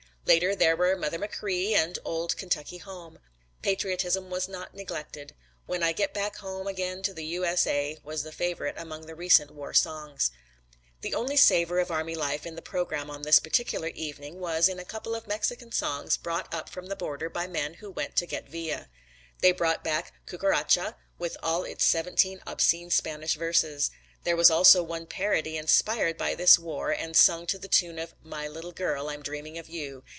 Later there were "Mother Machree" and "Old Kentucky Home." Patriotism was not neglected. "When I Get Back Home Again to the U.S.A." was the favorite among the recent war songs. The only savor of army life in the program on this particular evening was in a couple of Mexican songs brought up from the border by men who went to get Villa. They brought back "Cucaracha" with all its seventeen obscene Spanish verses. There was also one parody inspired by this war and sung to the tune of "My Little Girl, I'm Dreaming of You."